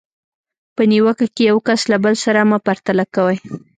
په نیوکه کې یو کس له بل سره مه پرتله کوئ.